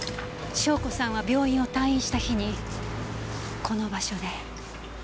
笙子さんは病院を退院した日にこの場所で。